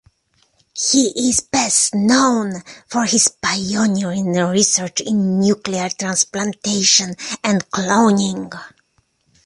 He is best known for his pioneering research in nuclear transplantation and cloning.